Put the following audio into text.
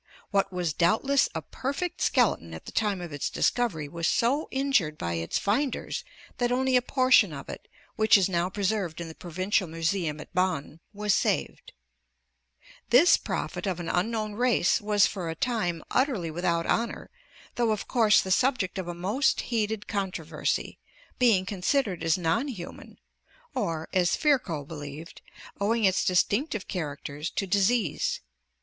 What was doubtless a perfect skeleton at the time of its discovery was so in jured by its finders that only a portion of it, which is now preserved in the Provincial Museum at Bonn, was saved/ " This prophet of an unknown race was for a time utterly without honor though of course the subject of a most heated controversy, being considered as non human, or, as Virchow believed, owing its distinctive characters to disease.